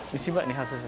bisa mbak hasilnya